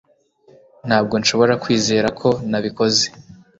Ntabwo nshobora kwizera ko nabikoze